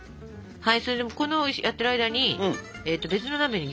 はい。